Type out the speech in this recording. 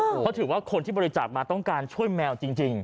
เพราะถือว่าคนที่บริจาคมาต้องการช่วยแมวจริง